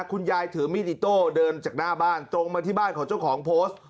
คุณยายถือมีดอิโต้เดินจากหน้าบ้านตรงมาที่บ้านของเจ้าของโพสต์